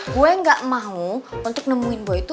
gue ga mau untuk nemuin boy itu